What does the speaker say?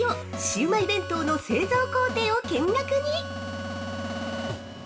シウマイ弁当の製造工程を見学に。